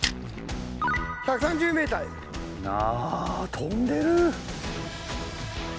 あ飛んでる。